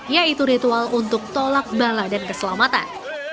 yaitu ritual untuk tolak bala dan keselamatan